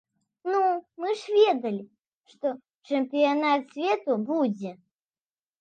Ну, мы ж ведалі, што чэмпіянат свету будзе.